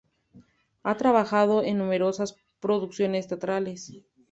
Ha trabajado en numerosas producciones teatrales.